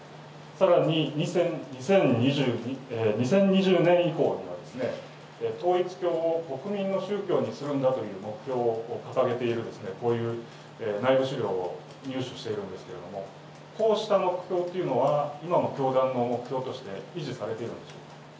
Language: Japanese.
さらに、２０２０年以降には、統一教を国民の宗教にするんだという目標を掲げている、こういう内部資料を入手しているんですけれども、こうした目標というのは、今も教団の目標として維持されているんでしょうか。